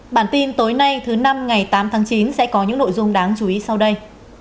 bản tin tối nay thứ năm ngày tám tháng chín sẽ có những nội dung đáng chú ý sau đây